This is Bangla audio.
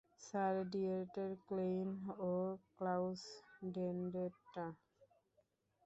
স্যার, ডিয়েটের ক্লেইন ও ক্লাউস ভেনডেট্টা।